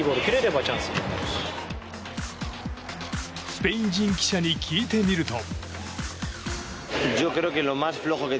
スペイン人記者に聞いてみると。